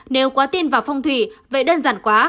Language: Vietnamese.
nếu quá tin vào phong thủy về đơn giản quá